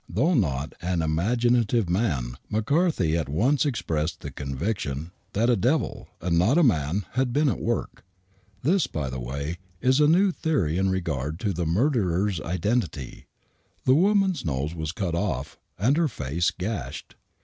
Though not an imaginative man,, McCarthy at once expressed the conviction that a devil, and not a man, had been at work. This, by the way, is a new theory in regard to the murderer's identity. The woman's nose was cut off and her face gashed.